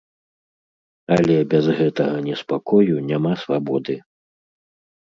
Але без гэтага неспакою няма свабоды.